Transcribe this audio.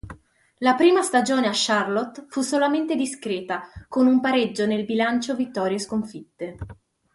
La prima stagione a Charlotte fu solamente discreta, con un pareggio nel bilancio vittorie-sconfitte.